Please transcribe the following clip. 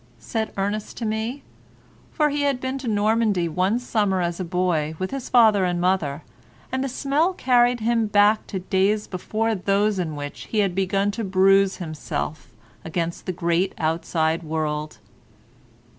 said Ernest to me, for he had been to Normandy one summer as a boy with his father and mother, and the smell carried him back to days before those in which he had begun to bruise himself against the great outside world.